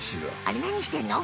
あれなにしてんの？